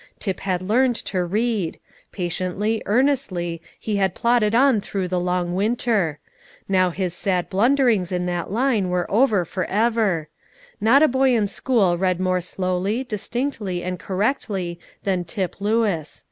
Tip had learned to read. Patiently, earnestly, he had plodded on through the long winter; now his sad blunderings in that line were over for ever; not a boy in school read more slowly, distinctly, and correctly than Tip Lewis.